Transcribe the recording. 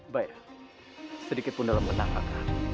bay sedikit pun dalam benang kaka